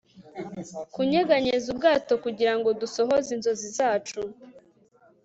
kunyeganyeza ubwato kugirango dusohoze inzozi zacu